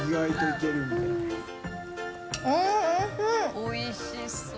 おいしそう。